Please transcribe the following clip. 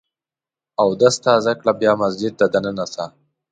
اودس تازه کړه ، بیا مسجد ته دننه سه!